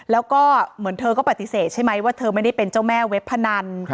แล้วก็เหมือนเธอก็ปฏิเสธใช่ไหมว่าเธอไม่ได้เป็นเจ้าแม่เว็บพนัน